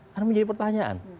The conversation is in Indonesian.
kan menjadi pertanyaan